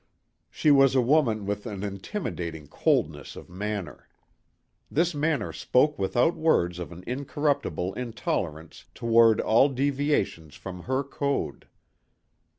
She was a woman with an intimidating coldness of manner. This manner spoke without words of an incorruptible intolerance toward all deviations from her code.